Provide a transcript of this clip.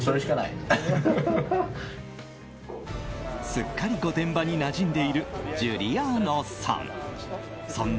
すっかり御殿場になじんでいるジュリアーノさん。